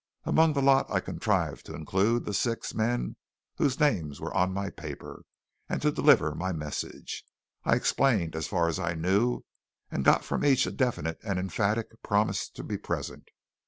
Among the lot I contrived to include the six men whose names were on my paper, and to deliver my message. I explained as far as I knew, and got from each a definite and emphatic promise to be present.